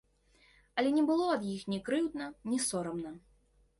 Але не было ад іх ні крыўдна, ні сорамна.